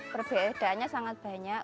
perbedaannya sangat banyak